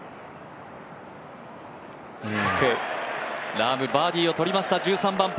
ラーム、バーディーを取りました。